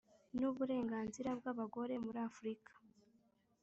N uburenganzira bw abagore muri afurika